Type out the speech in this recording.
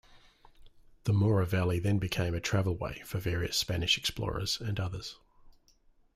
The Mora Valley then became a travel-way for various Spanish explorers and others.